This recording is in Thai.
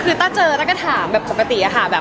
คือต้าเจอต้าก็ถามแบบปกติอะค่ะแบบ